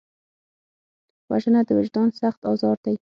وژنه د وجدان سخت ازار دی